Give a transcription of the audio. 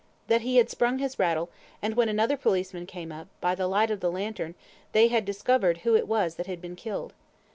That he had sprung his rattle; and when another policeman came up, by the light of the lantern they had discovered who it was that had been killed.